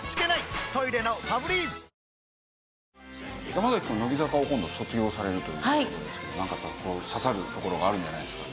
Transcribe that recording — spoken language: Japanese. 山崎くん乃木坂を今度卒業されるという事ですけどなんかこう刺さるところがあるんじゃないですか？